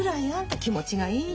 気持ちがいいの。